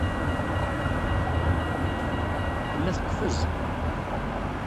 Tella teqfez